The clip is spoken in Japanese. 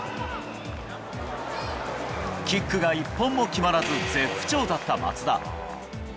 キックが一本も決まらず絶不調だった松田。